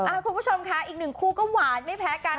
อ้าคุณผู้ชมคะอีกหนึ่งคลุก็หวานไม่แผลกัน